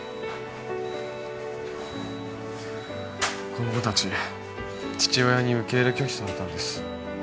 この子たち父親に受け入れ拒否されたんです